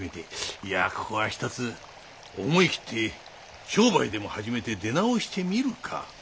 いやここはひとつ思いきって商売でも始めて出直してみるか。